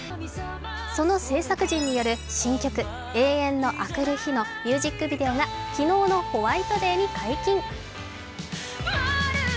その制作陣による新曲「永遠のあくる日」のミュージックビデオが昨日のホワイトデーに解禁。